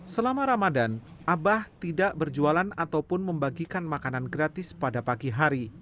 selama ramadan abah tidak berjualan ataupun membagikan makanan gratis pada pagi hari